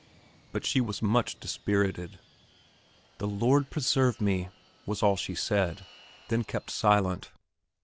But she was much dispirited. "The Lord preserve me!" was all she said, then kept silent.